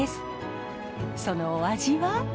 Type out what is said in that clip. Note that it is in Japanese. そのお味は？